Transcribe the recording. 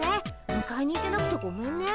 むかえに行けなくてごめんね。